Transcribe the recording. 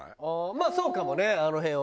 まあそうかもねあの辺は。